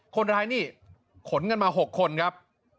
คนร้ายนี่ขนกันมา๖คนครับ